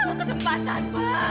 kamu ke tempatan ma